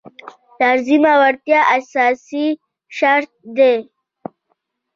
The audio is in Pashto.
لازمه وړتیا اساسي شرط دی.